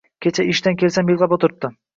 Kecha ishdan kelsam, yig`lab o`tiribdi